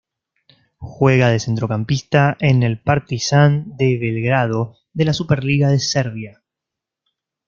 Juega de centrocampista en el Partizán de Belgrado de la Superliga de Serbia.